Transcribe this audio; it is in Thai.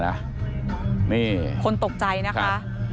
คนอยู่ตรงที่นี่ก็ตกใจนะครับ